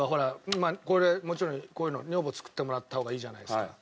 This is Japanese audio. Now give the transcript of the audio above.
これもちろんこういうの女房に作ってもらった方がいいじゃないですか。